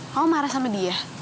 kamu marah sama dia